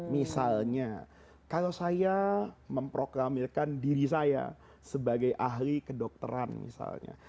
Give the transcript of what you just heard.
misalnya kalau saya memproklamirkan diri saya sebagai ahli kedokteran misalnya